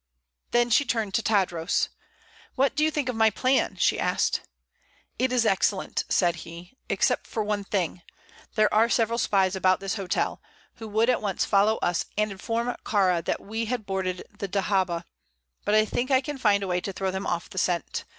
Then she turned to Tadros. "What do you think of my plan?" she asked. "It is excellent," said he, "except for one thing; there are several spies about this hotel, who would at once follow us and inform Kāra that we had boarded the dahabeah; but I think I can find a way to throw them off the scent.